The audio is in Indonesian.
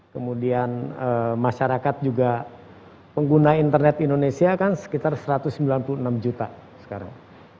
kemudian masyarakat juga pengguna internet indonesia kan sekitar satu ratus sembilan puluh enam juta sekarang